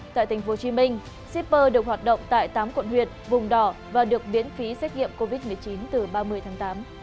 tại tp hcm shipper được hoạt động tại tám quận huyện vùng đỏ và được miễn phí xét nghiệm covid một mươi chín từ ba mươi tháng tám